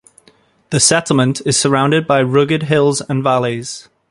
The settlement is surrounded by rugged hills and valleys.